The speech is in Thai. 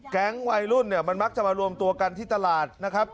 แก๊งวัยรุ่นเนี่ยมันมักจะมารวมตัวกันที่ตลาดนะครับ